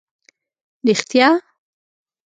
رېښتیا؟!